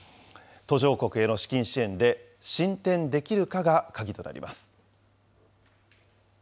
途上国への資金支援で進展できるかが鍵となります。